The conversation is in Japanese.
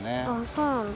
そうなんだ。